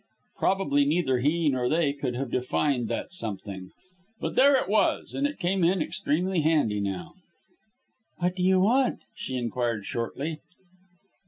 Probably neither he nor they could have defined that something; but there it was, and it came in extremely handy now. "What do you want?" she inquired shortly.